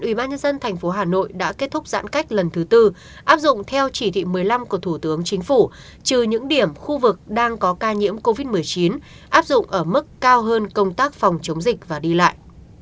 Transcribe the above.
ubnd tp hà nội đã kết thúc giãn cách lần thứ tư áp dụng theo chỉ thị một mươi năm của thủ tướng chính phủ trừ những điểm khu vực đang có ca nhiễm covid một mươi chín áp dụng ở mức cao hơn công tác phòng chống dịch và đi lại